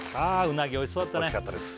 うなぎおいしそうだったねおいしかったです